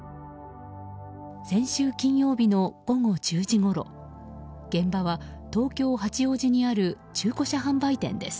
先週金曜日の午後１０時ごろ現場は、東京・八王子にある中古車販売店です。